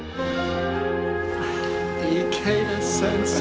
池田先生。